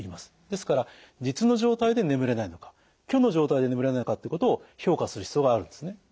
ですから実の状態で眠れないのか虚の状態で眠れないのかということを評価する必要があるんですね。